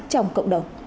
trong cộng đồng